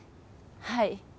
はい。